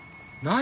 何？